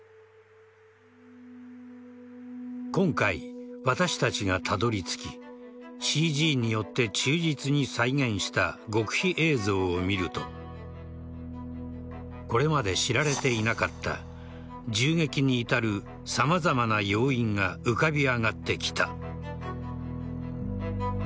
今回、私たちがたどり着きＣＧによって忠実に再現した極秘映像を見るとこれまで知られていなかった銃撃に至る様々な要因が浮かび上がってきた。